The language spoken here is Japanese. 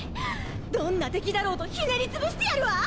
どんな敵だろうとひねり潰してやるわ！